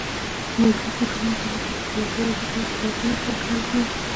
د میرویس نیکه نوم تر اوسه د خپلواکۍ، ازادۍ او زړورتیا نښه ګڼل کېږي.